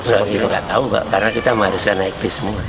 saya tidak tahu karena kita harusnya naik bis semua